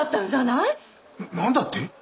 な何だって？